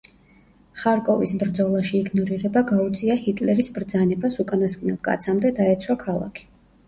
ხარკოვის ბრძოლაში იგნორირება გაუწია ჰიტლერის ბრძანებას, უკანასკნელ კაცამდე დაეცვა ქალაქი.